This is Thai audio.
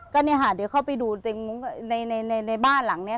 ก็เนี่ยค่ะเดี๋ยวเข้าไปดูในบ้านหลังนี้